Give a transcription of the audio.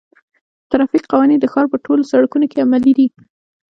د ترافیک قوانین د ښار په ټولو سړکونو کې عملي دي.